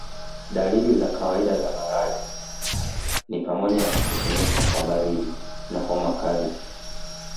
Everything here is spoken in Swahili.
Dalili za kawaida za malaria ni pamoja na kutetemeka kwa baridi na homa kali